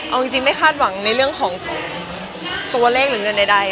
เอาจริงไม่คาดหวังในเรื่องของตัวเลขหรือเงินใด